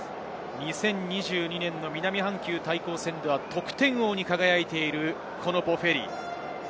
２０２２年の南半球対抗戦では得点王に輝いている、ボフェリ。